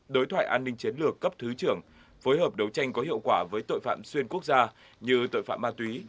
đối thoại an ninh chiến lược cấp thứ trưởng phối hợp đấu tranh có hiệu quả với tội phạm xuyên quốc gia như tội phạm ma túy